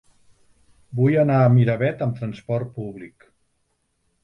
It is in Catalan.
Vull anar a Miravet amb trasport públic.